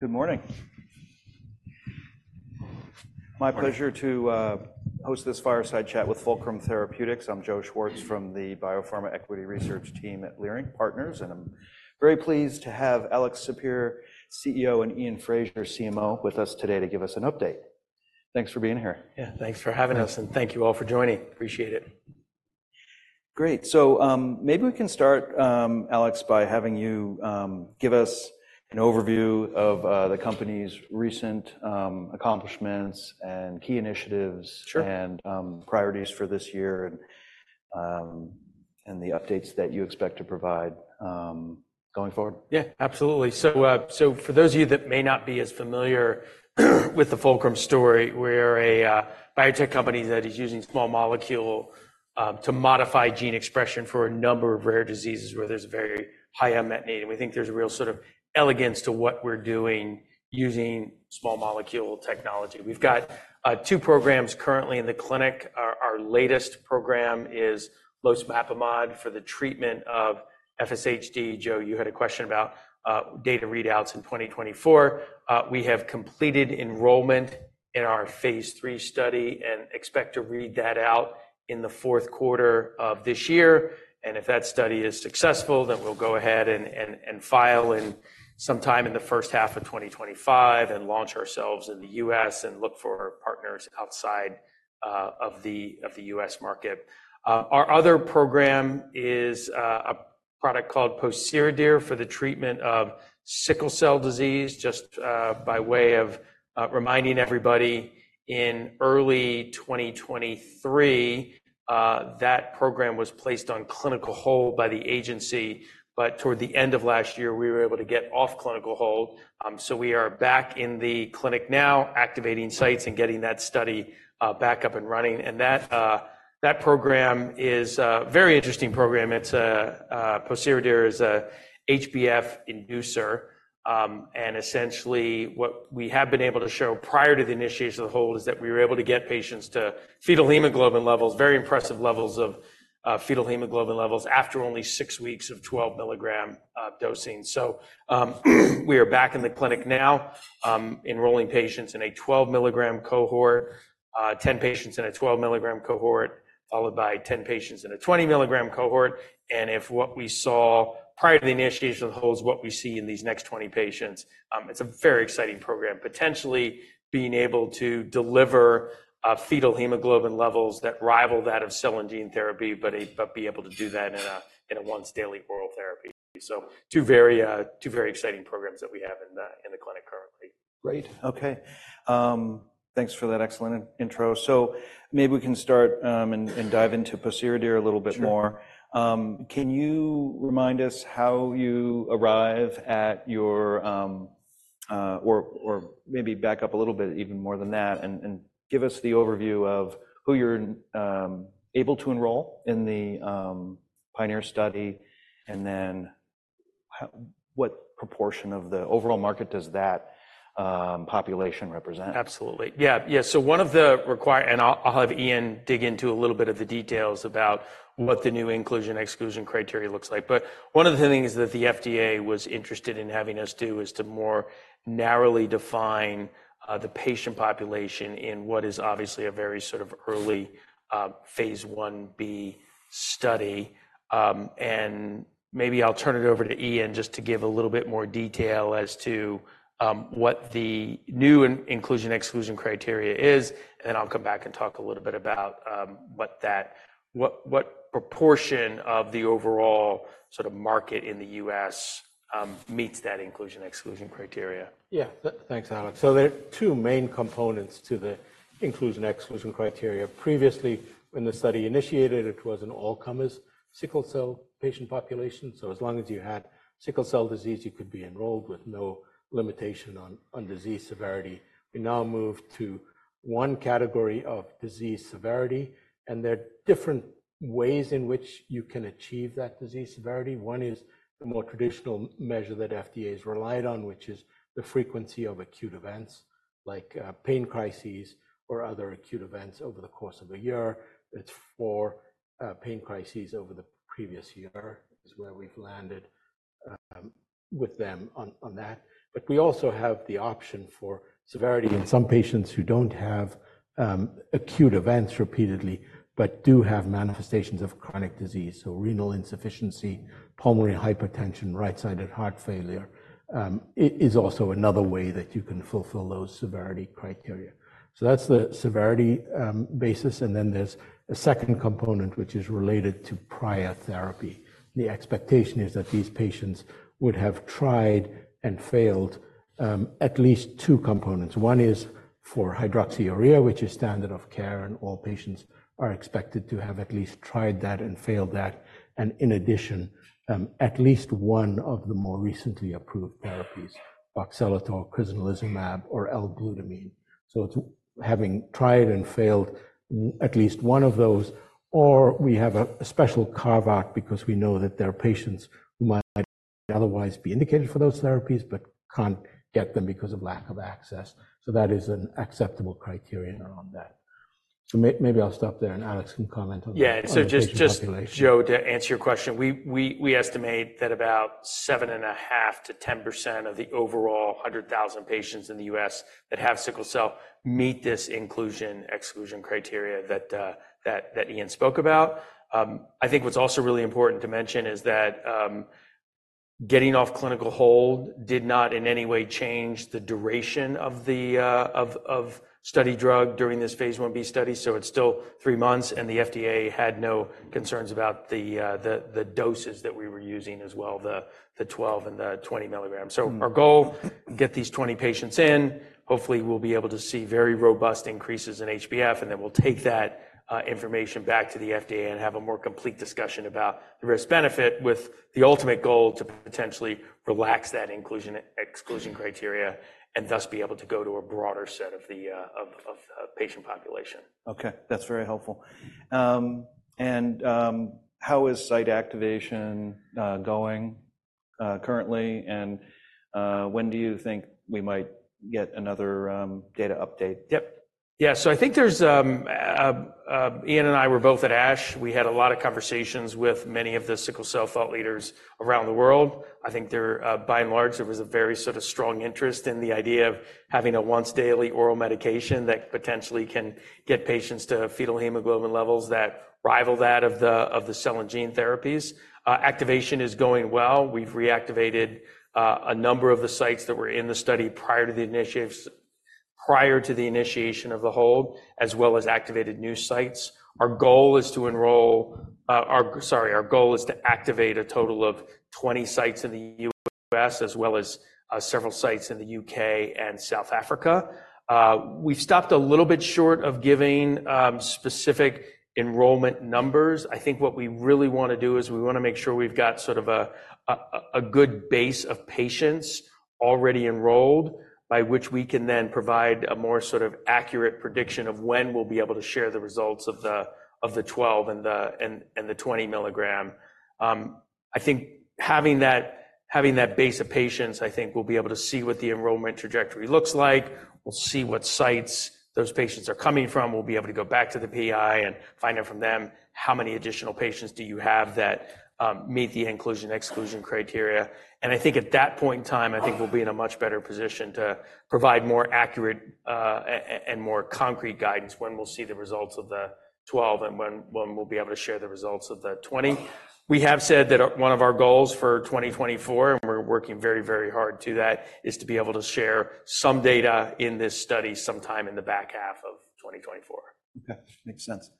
Good morning. My pleasure to host this fireside chat with Fulcrum Therapeutics. I'm Joe Schwartz from the Biopharma Equity Research Team at Leerink Partners, and I'm very pleased to have Alex Sapir, CEO, and Iain Fraser, CMO, with us today to give us an update. Thanks for being here. Yeah, thanks for having us, and thank you all for joining. Appreciate it. Great. So maybe we can start, Alex, by having you give us an overview of the company's recent accomplishments and key initiatives and priorities for this year and the updates that you expect to provide going forward. Yeah, absolutely. So for those of you that may not be as familiar with the Fulcrum story, we are a biotech company that is using small molecule to modify gene expression for a number of rare diseases where there's a very high unmet need. And we think there's a real sort of elegance to what we're doing using small molecule technology. We've got two programs currently in the clinic. Our latest program is losmapimod for the treatment of FSHD. Joe, you had a question about data readouts in 2024. We have completed enrollment in our phase three study and expect to read that out in the fourth quarter of this year. And if that study is successful, then we'll go ahead and file in some time in the first half of 2025 and launch ourselves in the U.S. and look for partners outside of the U.S. market. Our other program is a product called pociredir for the treatment of sickle cell disease. Just by way of reminding everybody, in early 2023, that program was placed on clinical hold by the agency, but toward the end of last year, we were able to get off clinical hold. So we are back in the clinic now activating sites and getting that study back up and running. And that program is a very interesting program. Pociredir is an HbF inducer. And essentially, what we have been able to show prior to the initiation of the hold is that we were able to get patients to fetal hemoglobin levels, very impressive levels of fetal hemoglobin levels, after only six weeks of 12 mg dosing. We are back in the clinic now enrolling patients in a 12-milligram cohort, 10 patients in a 12-milligram cohort, followed by 10 patients in a 20-milligram cohort. If what we saw prior to the initiation of the hold is what we see in these next 20 patients, it's a very exciting program, potentially being able to deliver fetal hemoglobin levels that rival that of cell and gene therapy, but be able to do that in a once-daily oral therapy. Two very exciting programs that we have in the clinic currently. Great. Okay. Thanks for that excellent intro. So maybe we can start and dive into pociredir a little bit more. Can you remind us how you arrive at your or maybe back up a little bit even more than that and give us the overview of who you're able to enroll in the PIONEER study and then what proportion of the overall market does that population represent? Absolutely. Yeah. Yeah. So one of the required and I'll have Iain dig into a little bit of the details about what the new inclusion exclusion criteria looks like. But one of the things that the FDA was interested in having us do is to more narrowly define the patient population in what is obviously a very sort of early phase 1b study. And maybe I'll turn it over to Iain just to give a little bit more detail as to what the new inclusion exclusion criteria is. And then I'll come back and talk a little bit about what proportion of the overall sort of market in the U.S. meets that inclusion exclusion criteria. Yeah. Thanks, Alex. So there are two main components to the inclusion exclusion criteria. Previously, when the study initiated, it was an all-comers sickle cell patient population. So as long as you had sickle cell disease, you could be enrolled with no limitation on disease severity. We now moved to one category of disease severity. And there are different ways in which you can achieve that disease severity. One is the more traditional measure that FDA has relied on, which is the frequency of acute events like pain crises or other acute events over the course of a year. It's for pain crises over the previous year, is where we've landed with them on that. But we also have the option for severity in some patients who don't have acute events repeatedly but do have manifestations of chronic disease. So renal insufficiency, pulmonary hypertension, right-sided heart failure is also another way that you can fulfill those severity criteria. So that's the severity basis. And then there's a second component, which is related to prior therapy. The expectation is that these patients would have tried and failed at least two components. One is for hydroxyurea, which is standard of care, and all patients are expected to have at least tried that and failed that. And in addition, at least one of the more recently approved therapies, voxelotor, crizanlizumab, or L-glutamine. So it's having tried and failed at least one of those. Or we have a special carve-out because we know that there are patients who might otherwise be indicated for those therapies but can't get them because of lack of access. So that is an acceptable criteria around that. So maybe I'll stop there, and Alex can comment on that. Yeah. So just, Joe, to answer your question, we estimate that about 7.5%-10% of the overall 100,000 patients in the U.S. that have sickle cell meet this inclusion exclusion criteria that Iain spoke about. I think what's also really important to mention is that getting off clinical hold did not in any way change the duration of the study drug during this phase 1b study. So it's still three months, and the FDA had no concerns about the doses that we were using as well, the 12 mg and the 20 mg. So our goal, get these 20 patients in. Hopefully, we'll be able to see very robust increases in HbF. And then we'll take that information back to the FDA and have a more complete discussion about the risk-benefit with the ultimate goal to potentially relax that inclusion exclusion criteria and thus be able to go to a broader set of the patient population. Okay. That's very helpful. How is site activation going currently? When do you think we might get another data update? Yep. Yeah. So I think Iain and I were both at ASH. We had a lot of conversations with many of the sickle cell thought leaders around the world. I think by and large, there was a very sort of strong interest in the idea of having a once-daily oral medication that potentially can get patients to fetal hemoglobin levels that rival that of the cell and gene therapies. Activation is going well. We've reactivated a number of the sites that were in the study prior to the initiation of the hold, as well as activated new sites. Our goal is to enroll, sorry, our goal is to activate a total of 20 sites in the U.S., as well as several sites in the U.K. and South Africa. We've stopped a little bit short of giving specific enrollment numbers. I think what we really want to do is we want to make sure we've got sort of a good base of patients already enrolled, by which we can then provide a more sort of accurate prediction of when we'll be able to share the results of the 12 and the 20 milligram. I think having that base of patients, I think we'll be able to see what the enrollment trajectory looks like. We'll see what sites those patients are coming from. We'll be able to go back to the PI and find out from them how many additional patients do you have that meet the inclusion exclusion criteria. I think at that point in time, I think we'll be in a much better position to provide more accurate and more concrete guidance when we'll see the results of the 12 and when we'll be able to share the results of the 20. We have said that one of our goals for 2024, and we're working very, very hard to that, is to be able to share some data in this study sometime in the back half of 2024. Okay. Makes sense.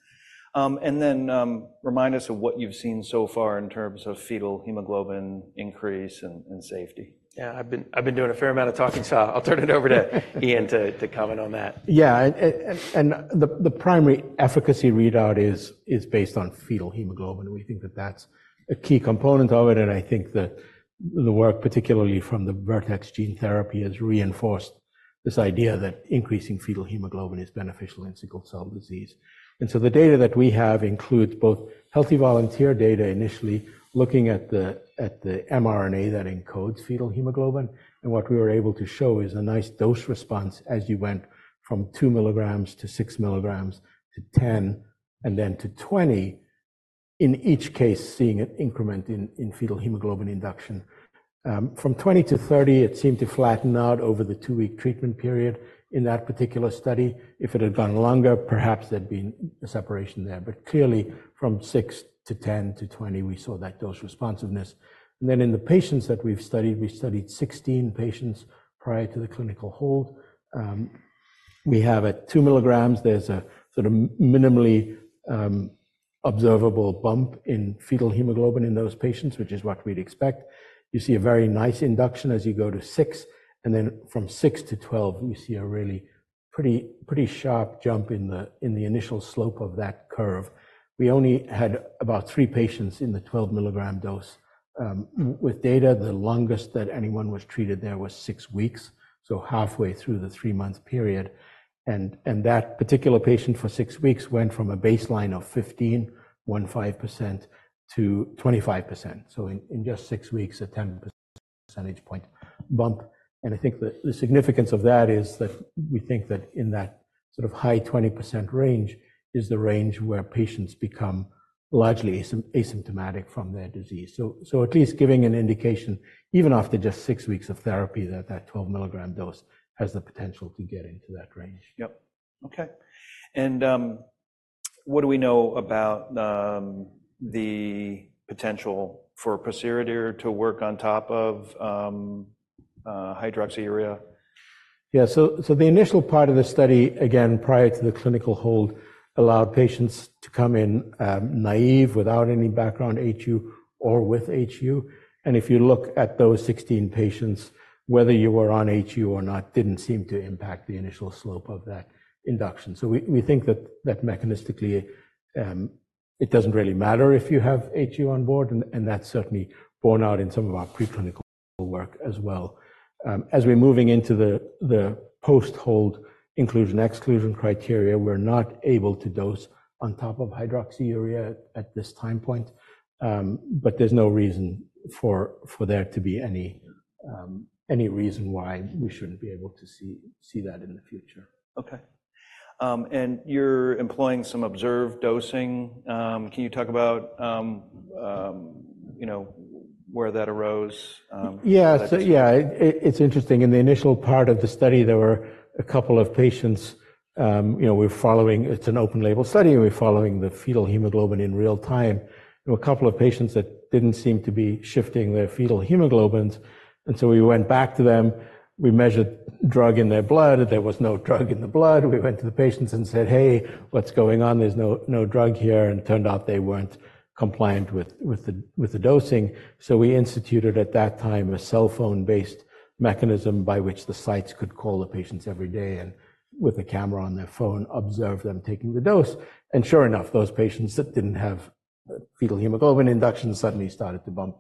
And then remind us of what you've seen so far in terms of fetal hemoglobin increase and safety. Yeah. I've been doing a fair amount of talking, so I'll turn it over to Iain to comment on that. Yeah. The primary efficacy readout is based on fetal hemoglobin. We think that that's a key component of it. I think the work, particularly from the Vertex gene therapy, has reinforced this idea that increasing fetal hemoglobin is beneficial in sickle cell disease. So the data that we have includes both healthy volunteer data initially looking at the mRNA that encodes fetal hemoglobin. What we were able to show is a nice dose response as you went from 2 milligrams to 6 milligrams to 10 and then to 20, in each case seeing an increment in fetal hemoglobin induction. From 20 to 30, it seemed to flatten out over the two-week treatment period in that particular study. If it had gone longer, perhaps there'd been a separation there. But clearly, from 6 to 10 to 20, we saw that dose responsiveness. In the patients that we've studied, we studied 16 patients prior to the clinical hold. We have at 2 milligrams, there's a sort of minimally observable bump in fetal hemoglobin in those patients, which is what we'd expect. You see a very nice induction as you go to 6. And then from 6 to 12, we see a really pretty sharp jump in the initial slope of that curve. We only had about 3 patients in the 12 milligram dose. With data, the longest that anyone was treated there was 6 weeks, so halfway through the 3-month period. And that particular patient for 6 weeks went from a baseline of 15.15% to 25%. So in just 6 weeks, a 10 percentage point bump. I think the significance of that is that we think that in that sort of high 20% range is the range where patients become largely asymptomatic from their disease. At least giving an indication, even after just six weeks of therapy, that that 12 mg dose has the potential to get into that range. Yep. Okay. What do we know about the potential for pociredir to work on top of Hydroxyurea? Yeah. So the initial part of the study, again, prior to the clinical hold, allowed patients to come in naïve without any background HU or with HU. And if you look at those 16 patients, whether you were on HU or not, didn't seem to impact the initial slope of that induction. So we think that mechanistically, it doesn't really matter if you have HU on board. And that's certainly borne out in some of our preclinical work as well. As we're moving into the post-hold inclusion exclusion criteria, we're not able to dose on top of hydroxyurea at this time point. But there's no reason for there to be any reason why we shouldn't be able to see that in the future. Okay. You're employing some observed dosing. Can you talk about where that arose? Yeah. Yeah. It's interesting. In the initial part of the study, there were a couple of patients we're following. It's an open-label study, and we're following the fetal hemoglobin in real time. There were a couple of patients that didn't seem to be shifting their fetal haemoglobins. And so we went back to them. We measured drug in their blood. There was no drug in the blood. We went to the patients and said, "Hey, what's going on? There's no drug here." And it turned out they weren't compliant with the dosing. So we instituted at that time a cell phone-based mechanism by which the sites could call the patients every day and with a camera on their phone, observe them taking the dose. And sure enough, those patients that didn't have fetal hemoglobin induction suddenly started to bump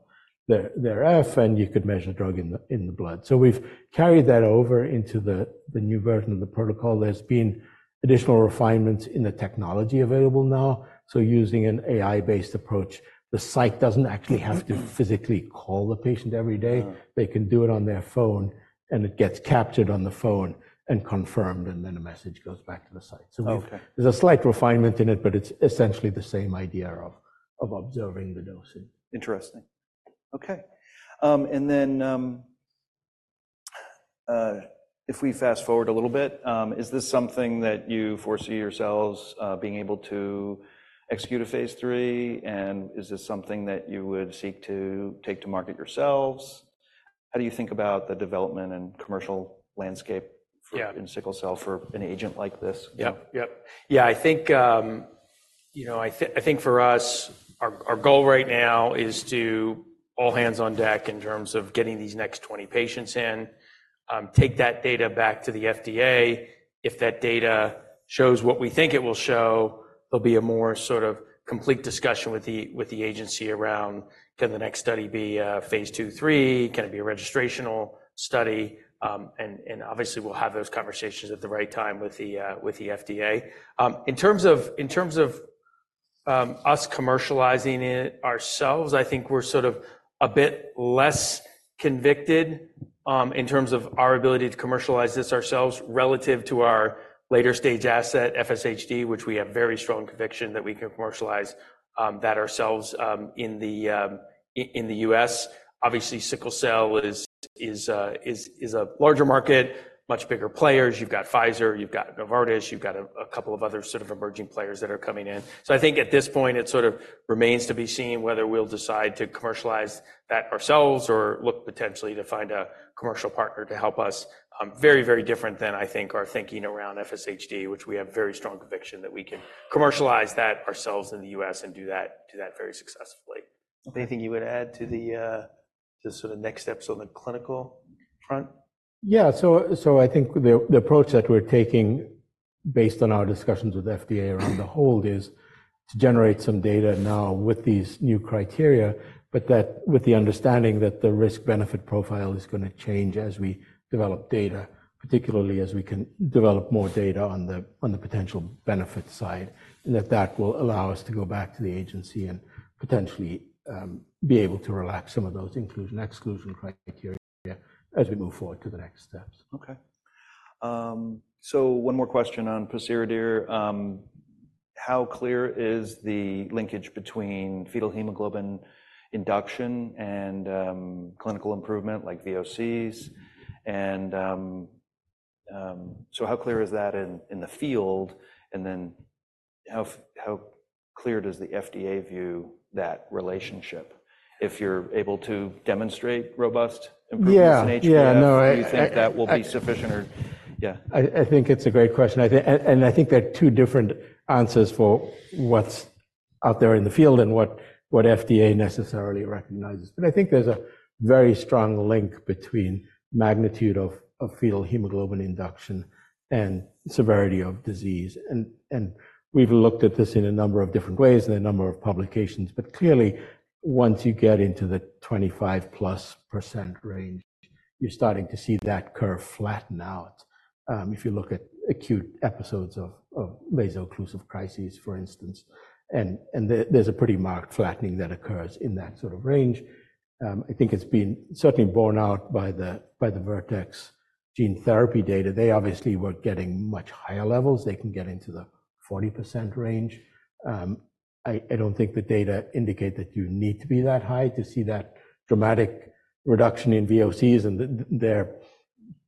their F, and you could measure drug in the blood. So we've carried that over into the new version of the protocol. There's been additional refinements in the technology available now. So using an AI-based approach, the site doesn't actually have to physically call the patient every day. They can do it on their phone, and it gets captured on the phone and confirmed, and then a message goes back to the site. So there's a slight refinement in it, but it's essentially the same idea of observing the dosing. Interesting. Okay. And then if we fast forward a little bit, is this something that you foresee yourselves being able to execute a phase three? And is this something that you would seek to take to market yourselves? How do you think about the development and commercial landscape in sickle cell for an agent like this? Yeah. Yeah. Yeah. I think for us, our goal right now is to all hands on deck in terms of getting these next 20 patients in, take that data back to the FDA. If that data shows what we think it will show, there'll be a more sort of complete discussion with the agency around, can the next study be phase two, three? Can it be a registrational study? And obviously, we'll have those conversations at the right time with the FDA. In terms of us commercializing it ourselves, I think we're sort of a bit less convicted in terms of our ability to commercialize this ourselves relative to our later stage asset, FSHD, which we have very strong conviction that we can commercialize that ourselves in the U.S. Obviously, sickle cell is a larger market, much bigger players. You've got Pfizer, you've got Novartis, you've got a couple of other sort of emerging players that are coming in. So I think at this point, it sort of remains to be seen whether we'll decide to commercialize that ourselves or look potentially to find a commercial partner to help us, very, very different than, I think, our thinking around FSHD, which we have very strong conviction that we can commercialize that ourselves in the U.S. and do that very successfully. Anything you would add to the sort of next steps on the clinical front? Yeah. So I think the approach that we're taking based on our discussions with the FDA around the hold is to generate some data now with these new criteria, but with the understanding that the risk-benefit profile is going to change as we develop data, particularly as we can develop more data on the potential benefit side, and that that will allow us to go back to the agency and potentially be able to relax some of those inclusion exclusion criteria as we move forward to the next steps. Okay. So one more question on pociredir. How clear is the linkage between fetal hemoglobin induction and clinical improvement, like VOCs? And so how clear is that in the field? And then how clear does the FDA view that relationship? If you're able to demonstrate robust improvements in HbF, do you think that will be sufficient or yeah. I think it's a great question. I think there are two different answers for what's out there in the field and what FDA necessarily recognizes. I think there's a very strong link between magnitude of fetal hemoglobin induction and severity of disease. We've looked at this in a number of different ways and a number of publications. Clearly, once you get into the 25%+ range, you're starting to see that curve flatten out. If you look at acute episodes of vaso-occlusive crises, for instance, and there's a pretty marked flattening that occurs in that sort of range. I think it's been certainly borne out by the Vertex Gene Therapy data. They obviously were getting much higher levels. They can get into the 40% range. I don't think the data indicate that you need to be that high to see that dramatic reduction in VOCs. Their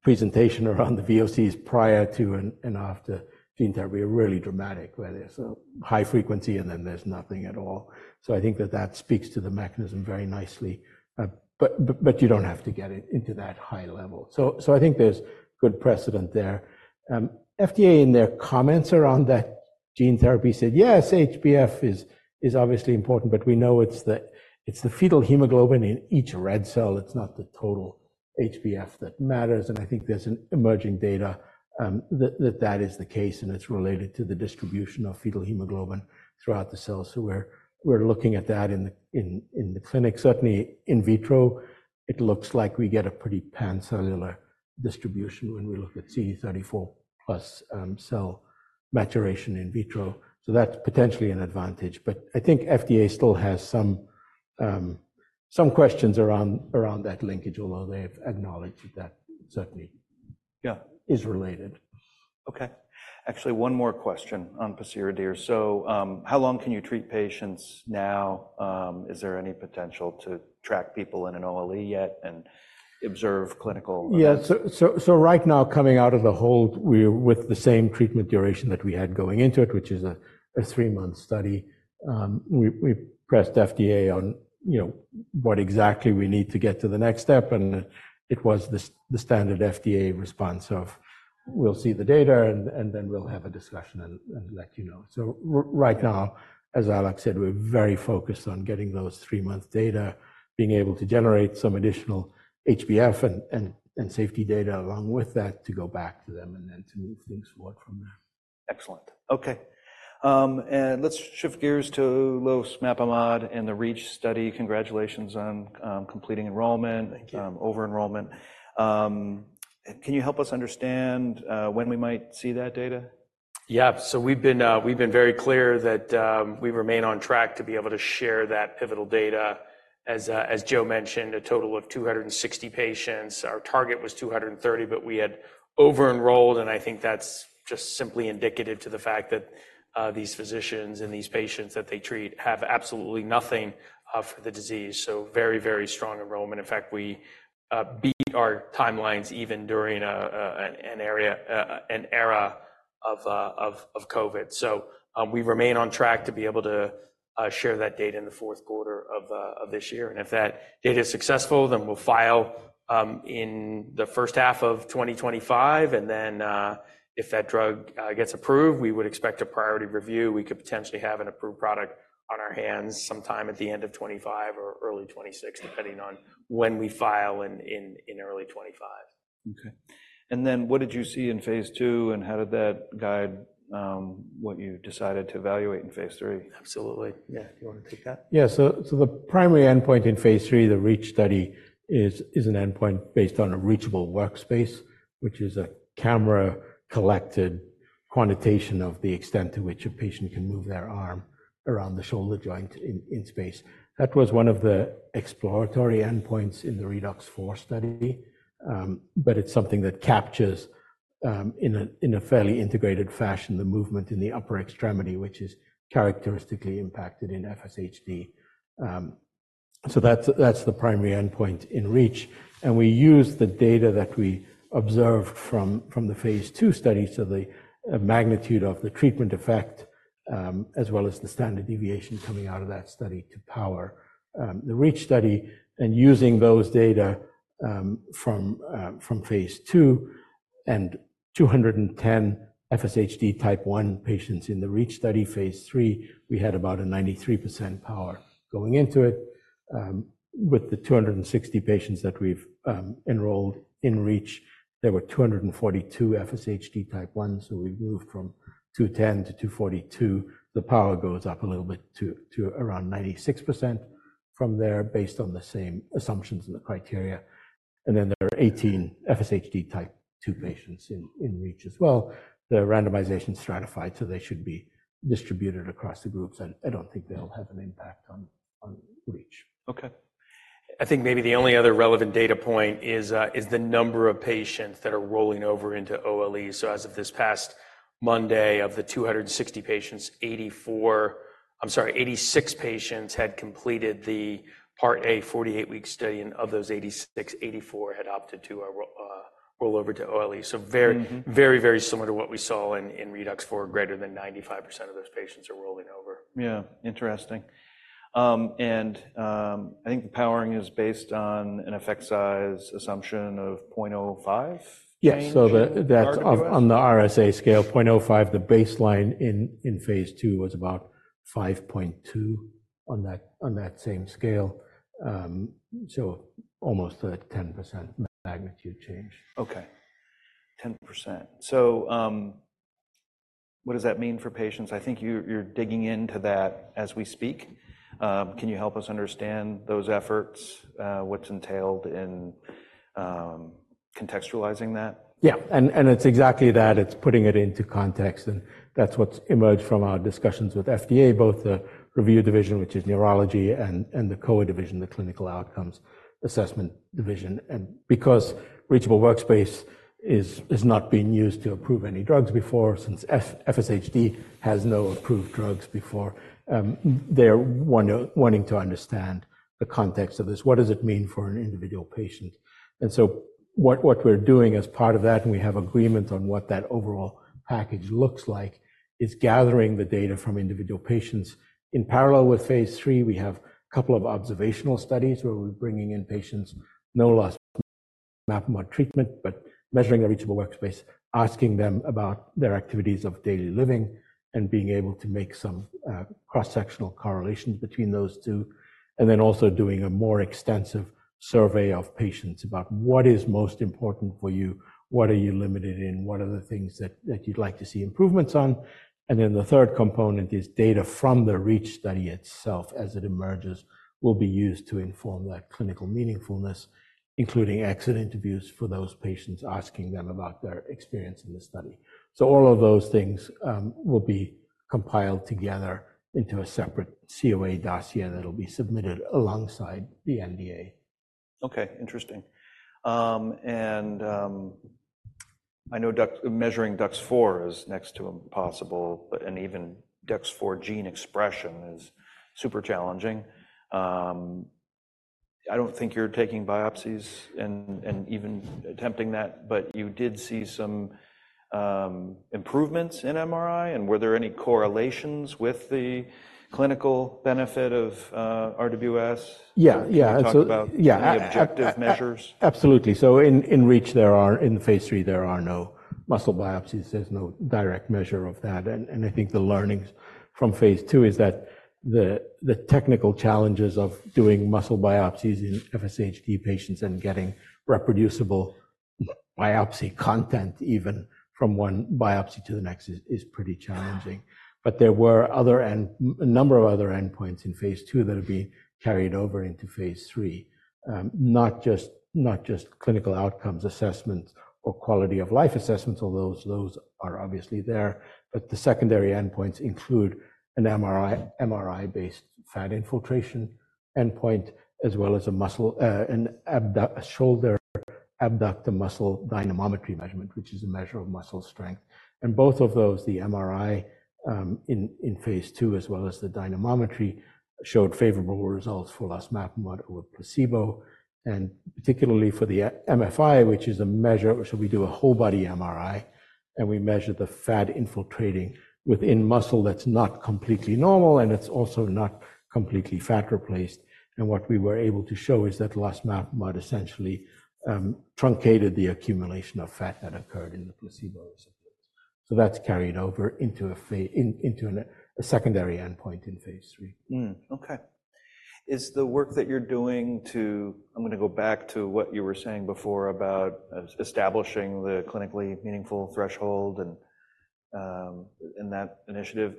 presentation around the VOCs prior to and after gene therapy is really dramatic, where there's a high frequency and then there's nothing at all. So I think that that speaks to the mechanism very nicely. But you don't have to get into that high level. So I think there's good precedent there. FDA, in their comments around that gene therapy, said, "Yes, HbF is obviously important, but we know it's the fetal hemoglobin in each red cell. It's not the total HbF that matters." And I think there's emerging data that that is the case, and it's related to the distribution of fetal hemoglobin throughout the cells. So we're looking at that in the clinic. Certainly, in vitro, it looks like we get a pretty pancellular distribution when we look at CD34+ cell maturation in vitro. So that's potentially an advantage. But I think FDA still has some questions around that linkage, although they've acknowledged that certainly is related. Okay. Actually, one more question on pociredir. So how long can you treat patients now? Is there any potential to track people in an OLE yet and observe clinical? Yeah. So right now, coming out of the hold, we're with the same treatment duration that we had going into it, which is a 3-month study. We pressed FDA on what exactly we need to get to the next step. And it was the standard FDA response of, "We'll see the data, and then we'll have a discussion and let you know." So right now, as Alex said, we're very focused on getting those 3-month data, being able to generate some additional HbF and safety data along with that to go back to them and then to move things forward from there. Excellent. Okay. Let's shift gears to Losmapimod and the REACH study. Congratulations on completing enrollment, over-enrollment. Can you help us understand when we might see that data? Yeah. So we've been very clear that we remain on track to be able to share that pivotal data. As Joe mentioned, a total of 260 patients. Our target was 230, but we had over-enrolled. And I think that's just simply indicative to the fact that these physicians and these patients that they treat have absolutely nothing for the disease. So very, very strong enrollment. In fact, we beat our timelines even during an era of COVID. So we remain on track to be able to share that data in the fourth quarter of this year. And if that data is successful, then we'll file in the first half of 2025. And then if that drug gets approved, we would expect a priority review. We could potentially have an approved product on our hands sometime at the end of 2025 or early 2026, depending on when we file in early 2025. Okay. And then what did you see in phase two, and how did that guide what you decided to evaluate in phase three? Absolutely. Yeah. Do you want to take that? Yeah. So the primary endpoint in phase 3, the REACH study, is an endpoint based on a reachable workspace, which is a camera-collected quantitation of the extent to which a patient can move their arm around the shoulder joint in space. That was one of the exploratory endpoints in the ReDUX4 study. But it's something that captures in a fairly integrated fashion the movement in the upper extremity, which is characteristically impacted in FSHD. So that's the primary endpoint in REACH. And we used the data that we observed from the phase 2 study, so the magnitude of the treatment effect as well as the standard deviation coming out of that study to power the REACH study. And using those data from phase 2 and 210 FSHD type 1 patients in the REACH study, phase 3, we had about a 93% power going into it. With the 260 patients that we've enrolled in REACH, there were 242 FSHD type 1. So we've moved from 210 to 242. The power goes up a little bit to around 96% from there based on the same assumptions and the criteria. And then there are 18 FSHD type 2 patients in REACH as well. They're randomization stratified, so they should be distributed across the groups. And I don't think they'll have an impact on REACH. Okay. I think maybe the only other relevant data point is the number of patients that are rolling over into OLE. So as of this past Monday of the 260 patients, I'm sorry, 86 patients had completed the Part A 48-week study, and of those 86, 84 had opted to roll over to OLE. So very, very similar to what we saw in ReDUX4. Greater than 95% of those patients are rolling over. Yeah. Interesting. And I think the powering is based on an effect size assumption of 0.05 change? Yeah. So on the RWS scale, 0.05, the baseline in phase 2 was about 5.2 on that same scale, so almost a 10% magnitude change. Okay. 10%. So what does that mean for patients? I think you're digging into that as we speak. Can you help us understand those efforts, what's entailed in contextualizing that? Yeah. And it's exactly that. It's putting it into context. And that's what's emerged from our discussions with FDA, both the review division, which is neurology, and the COA division, the clinical outcomes assessment division. And because reachable workspace has not been used to approve any drugs before, since FSHD has no approved drugs before, they're wanting to understand the context of this. What does it mean for an individual patient? And so what we're doing as part of that, and we have agreements on what that overall package looks like, is gathering the data from individual patients. In parallel with phase 3, we have a couple of observational studies where we're bringing in patients, no loss of treatment, but measuring their reachable workspace, asking them about their activities of daily living, and being able to make some cross-sectional correlations between those two. And then also doing a more extensive survey of patients about what is most important for you, what are you limited in, what are the things that you'd like to see improvements on. And then the third component is data from the REACH study itself, as it emerges, will be used to inform that clinical meaningfulness, including exit interviews for those patients asking them about their experience in the study. So all of those things will be compiled together into a separate COA dossier that'll be submitted alongside the NDA. Okay. Interesting. And I know measuring DUX4 is next to impossible, and even DUX4 gene expression is super challenging. I don't think you're taking biopsies and even attempting that, but you did see some improvements in MRI. And were there any correlations with the clinical benefit of RWS? Yeah. Yeah. Can you talk about any objective measures? Absolutely. So in REACH, in phase 3, there are no muscle biopsies. There's no direct measure of that. And I think the learnings from phase 2 is that the technical challenges of doing muscle biopsies in FSHD patients and getting reproducible biopsy content, even from one biopsy to the next, is pretty challenging. But there were a number of other endpoints in phase 2 that have been carried over into phase 3, not just clinical outcomes assessments or quality of life assessments, although those are obviously there. But the secondary endpoints include an MRI-based fat infiltration endpoint, as well as a shoulder abductor muscle dynamometry measurement, which is a measure of muscle strength. And both of those, the MRI in phase 2, as well as the dynamometry, showed favorable results for Losmapimod with placebo. And particularly for the MFI, which is a measure, so we do a whole-body MRI, and we measure the fat infiltrating within muscle that's not completely normal, and it's also not completely fat replaced. And what we were able to show is that Losmapimod essentially truncated the accumulation of fat that occurred in the placebo recipients. So that's carried over into a secondary endpoint in phase 3. Okay. Is the work that you're doing to (I'm going to go back to what you were saying before about establishing the clinically meaningful threshold in that initiative)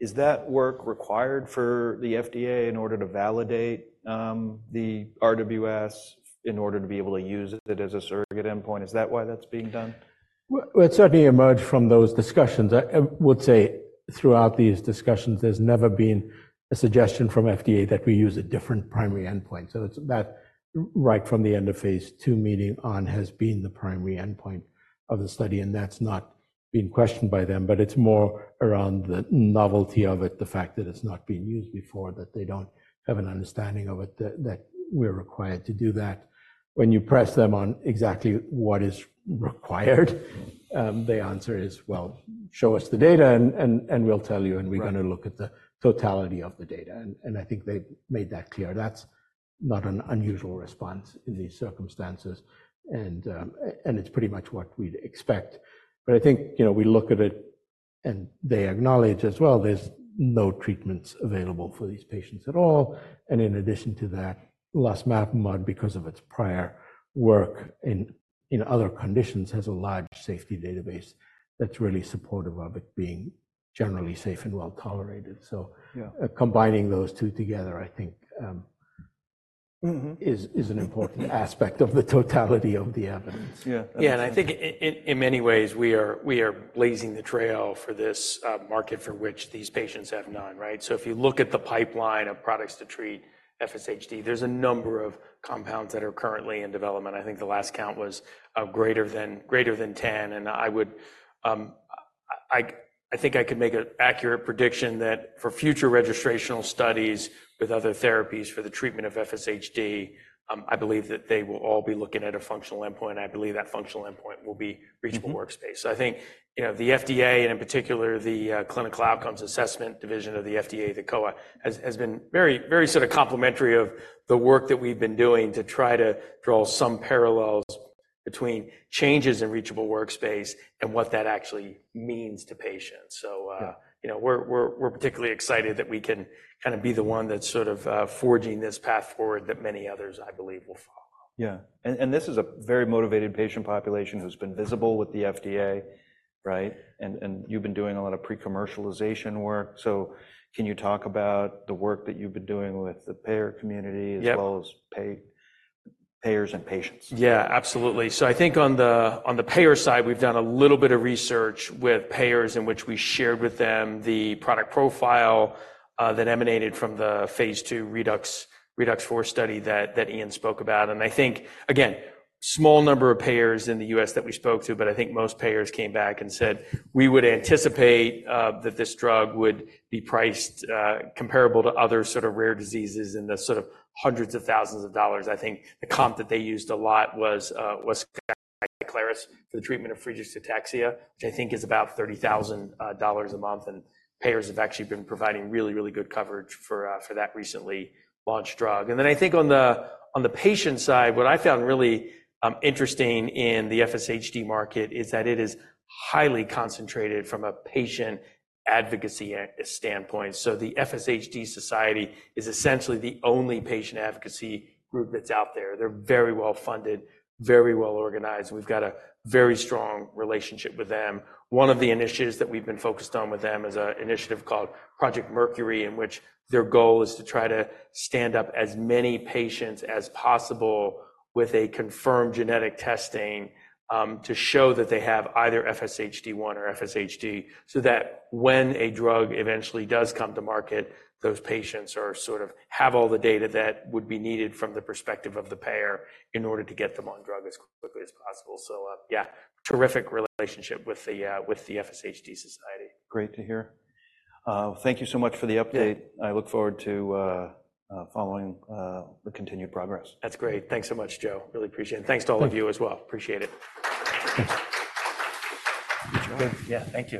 required for the FDA in order to validate the RWS, in order to be able to use it as a surrogate endpoint? Is that why that's being done? Well, it certainly emerged from those discussions. I would say throughout these discussions, there's never been a suggestion from FDA that we use a different primary endpoint. So that right from the end of phase 2 meeting on has been the primary endpoint of the study. And that's not been questioned by them. But it's more around the novelty of it, the fact that it's not been used before, that they don't have an understanding of it, that we're required to do that. When you press them on exactly what is required, their answer is, "Well, show us the data, and we'll tell you, and we're going to look at the totality of the data." And I think they've made that clear. That's not an unusual response in these circumstances. And it's pretty much what we'd expect. But I think we look at it, and they acknowledge as well, there's no treatments available for these patients at all. And in addition to that, Losmapimod, because of its prior work in other conditions, has a large safety database that's really supportive of it being generally safe and well tolerated. So combining those two together, I think, is an important aspect of the totality of the evidence. Yeah. Yeah. And I think in many ways, we are blazing the trail for this market for which these patients have none, right? So if you look at the pipeline of products to treat FSHD, there's a number of compounds that are currently in development. I think the last count was greater than 10. And I think I could make an accurate prediction that for future registrational studies with other therapies for the treatment of FSHD, I believe that they will all be looking at a functional endpoint. And I believe that functional endpoint will be reachable workspace. So I think the FDA, and in particular the clinical outcomes assessment division of the FDA, the COA, has been very sort of complimentary of the work that we've been doing to try to draw some parallels between changes in reachable workspace and what that actually means to patients. So we're particularly excited that we can kind of be the one that's sort of forging this path forward that many others, I believe, will follow. Yeah. And this is a very motivated patient population who's been visible with the FDA, right? And you've been doing a lot of pre-commercialization work. So can you talk about the work that you've been doing with the payer community as well as payers and patients? Yeah. Absolutely. So I think on the payer side, we've done a little bit of research with payers in which we shared with them the product profile that emanated from the phase 2 ReDUX4 study that Iain spoke about. I think, again, small number of payers in the U.S. that we spoke to, but I think most payers came back and said we would anticipate that this drug would be priced comparable to other sort of rare diseases in the sort of hundreds of thousands of dollars. I think the comp that they used a lot was Skyclarys for the treatment of Friedreich's ataxia, which I think is about $30,000 a month. And payers have actually been providing really, really good coverage for that recently launched drug. Then I think on the patient side, what I found really interesting in the FSHD market is that it is highly concentrated from a patient advocacy standpoint. The FSHD Society is essentially the only patient advocacy group that's out there. They're very well funded, very well organized. We've got a very strong relationship with them. One of the initiatives that we've been focused on with them is an initiative called Project Mercury, in which their goal is to try to stand up as many patients as possible with a confirmed genetic testing to show that they have either FSHD1 or FSHD, so that when a drug eventually does come to market, those patients sort of have all the data that would be needed from the perspective of the payer in order to get them on drug as quickly as possible. Yeah, terrific relationship with the FSHD Society. Great to hear. Thank you so much for the update. I look forward to following the continued progress. That's great. Thanks so much, Joe. Really appreciate it. Thanks to all of you as well. Appreciate it. Good job. Yeah. Thank you.